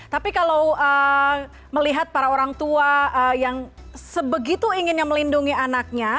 tapi kalau melihat para orang tua yang sebegitu inginnya melindungi anaknya